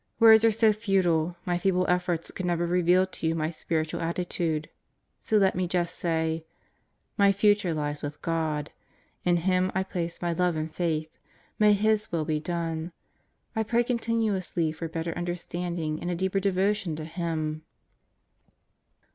Words are so futile, my feeble efforts could never reveal to you my spiritual attitude, so let me just say: My future lies with God. In Him I place my love and faith. May His Will be done. I pray continuously for a better understanding and a deeper devotion to Him.